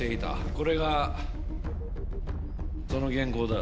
これがその原稿だ。